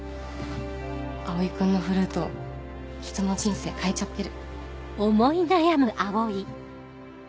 蒼君のフルート人の人生変えちゃってる。